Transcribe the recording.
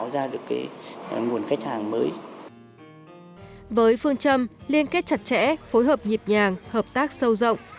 địa chất trẻ phối hợp nhịp nhàng hợp tác sâu rộng